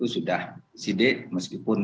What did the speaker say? sudah disidik meskipun